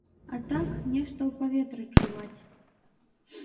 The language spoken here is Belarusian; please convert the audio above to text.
А так, нешта ў паветры чуваць.